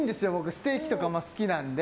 ステーキとかも好きなので。